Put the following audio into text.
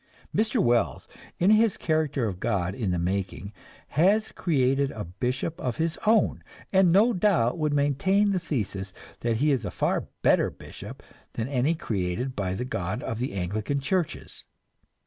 Mr. Wells, in his character of God in the making, has created a bishop of his own, and no doubt would maintain the thesis that he is a far better bishop than any created by the God of the Anglican churches.